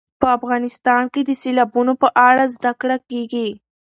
په افغانستان کې د سیلابونو په اړه زده کړه کېږي.